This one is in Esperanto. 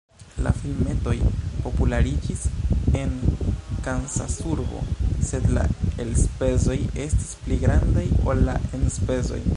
La filmetoj populariĝis en Kansasurbo sed la elspezoj estis pli grandaj ol la enspezoj.